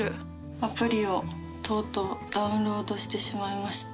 アプリをとうとうダウンロードしてしまいまして。